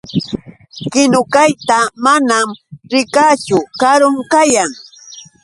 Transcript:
Kinukayta manam rikaachu. Karun kayan.